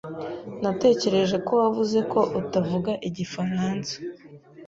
Natekereje ko wavuze ko utavuga igifaransa.